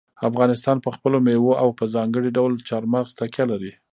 افغانستان په خپلو مېوو او په ځانګړي ډول چار مغز تکیه لري.